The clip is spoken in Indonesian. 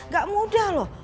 gak mudah loh